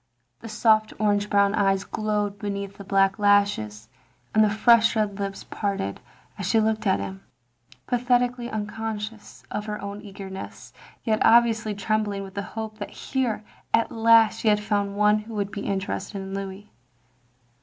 The soft orange OF GROSVENOR SQUARE 115 brown eyes glowed beneath the black lashes, and the fresh red lips parted, as she looked at him, pa thetically unconscious of her own eagerness, yet ob viously trembling with the hope that here, at last, she had fotind one who would be interested in Louis.